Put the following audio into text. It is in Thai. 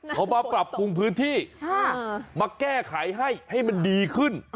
เขามาปรับปรุงพื้นที่มาแก้ไขให้ให้มันดีขึ้น